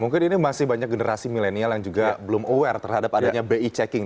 mungkin ini masih banyak generasi milenial yang juga belum aware terhadap adanya bi checking